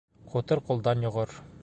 Ҡутыр ҡулдан йоғор.